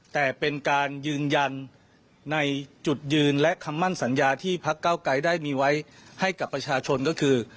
แต่เป็นการยืนยันในจุดยืนและคำมั่นสัญญาที่พักเก้าไกรได้มีไว้ให้กับประชาชนก็คือ